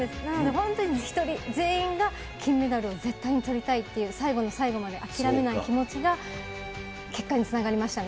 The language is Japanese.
本当に全員が金メダルを絶対にとりたいっていう、最後の最後まで諦めない気持ちが、結果につながりましたね。